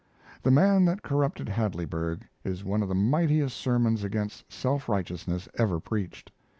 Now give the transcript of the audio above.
"The Man that Corrupted Hadleyburg" is one of the mightiest sermons against self righteousness ever preached.